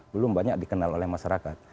belum banyak dikenal oleh masyarakat